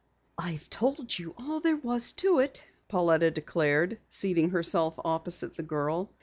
"I've told you all there was to it," Pauletta declared, seating herself opposite the girl.